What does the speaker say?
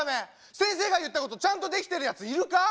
先生が言ったことちゃんとできてるやついるか？